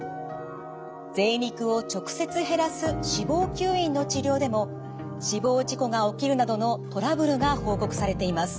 ぜい肉を直接減らす脂肪吸引の治療でも死亡事故が起きるなどのトラブルが報告されています。